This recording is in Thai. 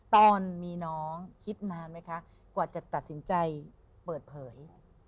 ตอนมีน้องคิดนานไหมคะกว่าจะตัดสินใจเปิดเผย